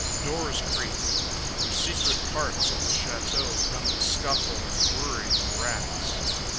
Doors creak; from secret parts of the chateau come the scuffle and worry of rats.